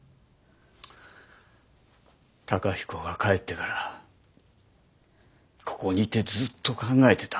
崇彦が帰ってからここにいてずっと考えてた。